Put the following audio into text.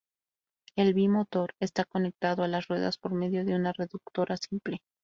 El bi-motor está conectado a las ruedas por medio de una reductora simple.